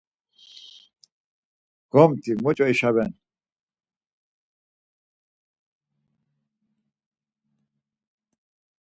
Gomti muç̌o işaven?